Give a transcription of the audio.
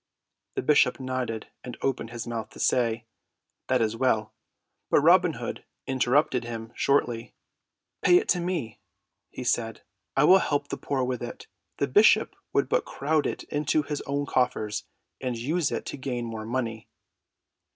The bishop nodded and opened his mouth to say "That is well," but Robin Hood interrupted him shortly. "Pay it to me," he said. "I will help the poor with it. The bishop would but crowd it into his own coffers, and use it to gain more money."